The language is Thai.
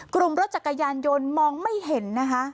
กลุ่มรถจักรยานยนต์มองไม่เห็นนะคะ